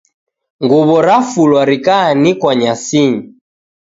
Nguw'o rafulwa rikaanikwa nyasinyi